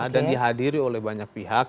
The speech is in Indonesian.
dan dihadiri oleh banyak pihak